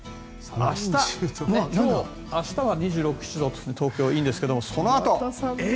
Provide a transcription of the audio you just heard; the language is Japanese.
明日、もう明日は２６、２７度と東京、いいんですがそのあと。